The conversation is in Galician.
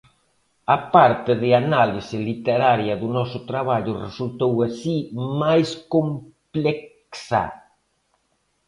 A parte de análise literaria do noso traballo resultou así máis complexa.